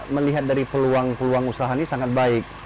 karena melihat dari peluang peluang usaha ini sangat baik